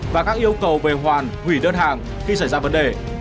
và các yêu cầu về hoàn hủy đơn hàng khi xảy ra vấn đề